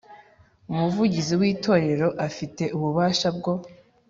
Umuvugizi w Itorero afite ububasha bwo